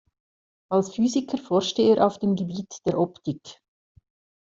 Als Physiker forschte er auf dem Gebiet der Optik.